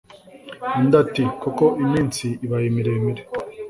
Undi ati « koko iminsi ibaye miremire.